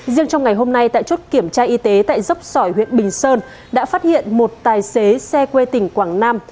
riêng trong ngày hôm nay tại chốt kiểm tra y tế tại dốc sỏi huyện bình sơn đã phát hiện một tài xế xe quê tỉnh quảng nam